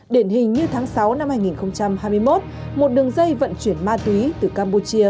điển hình như tháng sáu năm hai nghìn hai mươi một một đường dây vận chuyển ma túy từ campuchia